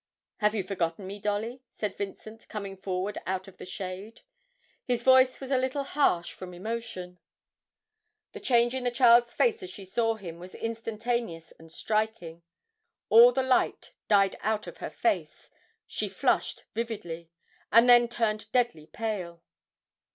'Have you forgotten me, Dolly?' said Vincent, coming forward out of the shade. His voice was a little harsh from emotion. The change in the child's face as she saw him was instantaneous and striking; all the light died out of her face, she flushed vividly, and then turned deadly pale.